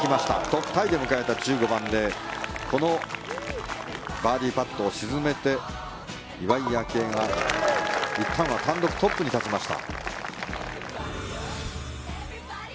トップタイで迎えた１５番でこのバーディーパットを沈めて岩井明愛がいったんは単独トップに立ちました。